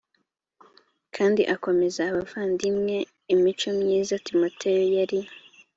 kandi akomeza abavandimwe imico myiza timoteyo yari